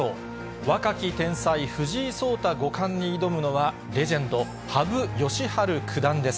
若き天才、藤井聡太五冠に挑むのは、レジェンド、羽生善治九段です。